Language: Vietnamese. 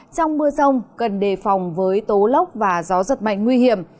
trong mưa rông cần đề phòng với tố lốc và gió giật mạnh nguy hiểm